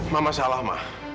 mama salah ma